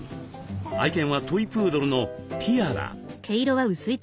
愛犬はトイプードルのティアラ。